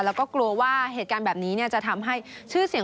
แล้วก็กลัวว่าเหตุการณ์แบบนี้เนี่ย